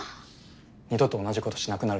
二度と同じことしなくなるでしょ